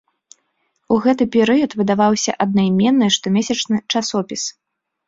У гэты перыяд выдаваўся аднайменны штомесячны часопіс.